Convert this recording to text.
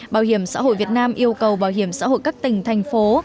bảo hiểm xã hội việt nam yêu cầu bảo hiểm xã hội các tỉnh thành phố